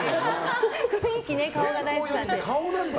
雰囲気、顔が大事なんで。